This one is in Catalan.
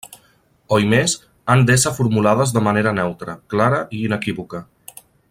Oimés, han d'ésser formulades de manera neutra, clara i inequívoca.